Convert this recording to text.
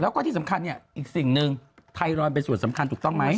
แล้วก็ที่สำคัญเนี่ยอีกสิ่งหนึ่งไทรอยด์เป็นส่วนสำคัญถูกต้องไหม